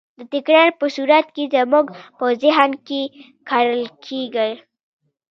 د تکرار په صورت کې زموږ په ذهن کې کرل کېږي.